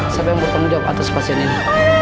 siapa yang bertanggung jawab atas pasien ini